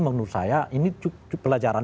menurut saya ini pelajaran